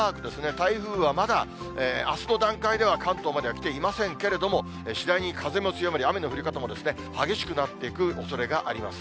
台風はまだ、あすの段階では関東までは来ていませんけれども、次第に風も強まり、雨の降り方も激しくなっていくおそれがあります。